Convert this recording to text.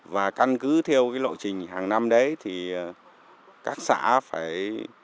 và căn cứ theo cái lộ trình hàng năm đấy thì các xã phải